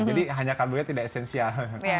jadi hanya karbohidrat tidak esensial